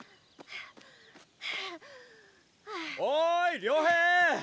おい遼平！